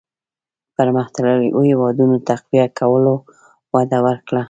پرمختلليو هېوادونو تقويه کولو وده ورکړه.